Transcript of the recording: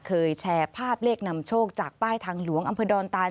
แชร์ภาพเลขนำโชคจากป้ายทางหลวงอำเภอดอนตาน